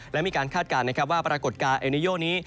และมีการคาดการณ์ว่าปรากฎกาเอลนิโยนี้